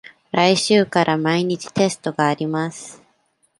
来週から毎日テストがあります。